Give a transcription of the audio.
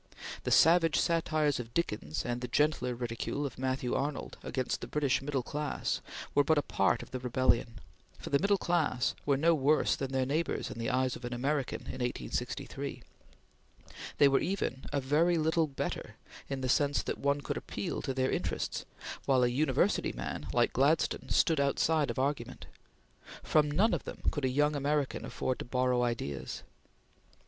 The savage satires of Dickens and the gentler ridicule of Matthew Arnold against the British middle class were but a part of the rebellion, for the middle class were no worse than their neighbors in the eyes of an American in 1863; they were even a very little better in the sense that one could appeal to their interests, while a university man, like Gladstone, stood outside of argument. From none of them could a young American afford to borrow ideas.